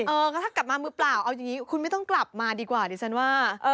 เออก็ถ้ากลับมามือเปล่าเอาอย่างนี้คุณไม่ต้องกลับมาดีกว่าดิฉันว่า